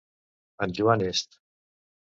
En Joan est